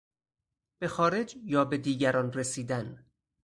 به خارج یا به دیگران رسیدن